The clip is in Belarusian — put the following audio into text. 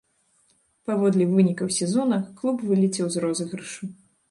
Паводле вынікаў сезона клуб вылецеў з розыгрышу.